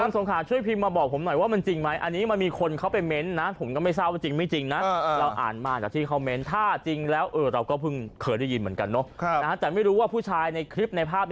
ถ้าจริงแล้วเราก็พึ่งเขย๔๘๐๐ว่าผู้ชายในคลิปในภาพ